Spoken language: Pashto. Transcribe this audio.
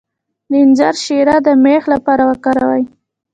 د انځر شیره د میخ لپاره وکاروئ